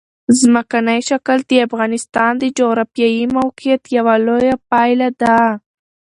ځمکنی شکل د افغانستان د جغرافیایي موقیعت یوه لویه پایله ده.